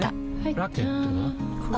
ラケットは？